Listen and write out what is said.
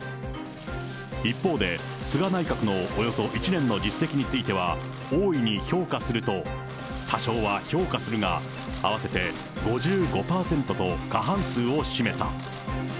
一方で、菅内閣のおよそ１年の実績については、大いに評価すると、多少は評価するが合わせて５５％と過半数を占めた。